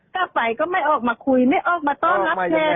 กลับไปก็ไม่ออกมาคุย